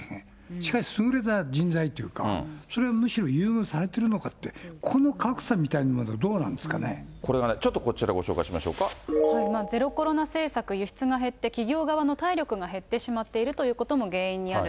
しかし、優れた人材っていうか、それはむしろ優遇されてるのかって、この格差みたいなもの、どうこれがね、ちょっとこちらごゼロコロナ政策、輸出が減って、企業側の体力が減ってしまっているということも原因にある。